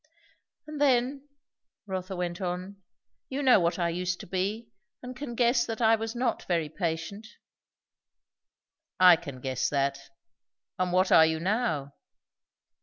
"And then " Rotha went on, "you know what I used to be, and can guess that I was not very patient." "I can guess that. And what are you now?"